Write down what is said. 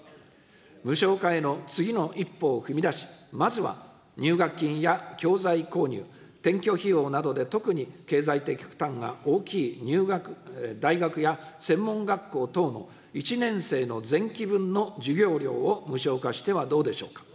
無償化への次の一歩を踏み出し、まずは入学金や教材購入、転居費用などで特に経済的負担が大きい大学や専門学校等の１年生の前期分の授業料を無償化してはどうでしょうか。